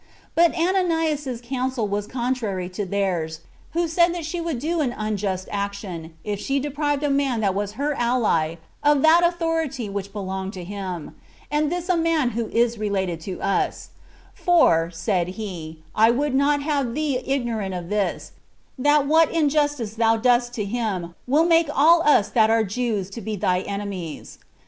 But Ananias's counsel was contrary to theirs, who said that she would do an unjust action if she deprived a man that was her ally of that authority which belonged to him, and this a man who is related to us; "for [said he] I would not have thee ignorant of this, that what in justice thou dost to him will make all us that are Jews to be thy enemies."